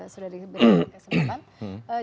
sudah diberi kesempatan